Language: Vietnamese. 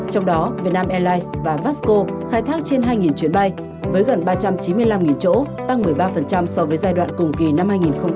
trong đó vietnam airlines và vasco khai thác trên hai chuyến bay với gần ba trăm chín mươi năm chỗ tăng một mươi ba so với giai đoạn cùng kỳ năm hai nghìn một mươi chín